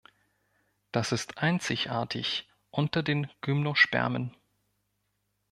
Das ist einzigartig unter den Gymnospermen.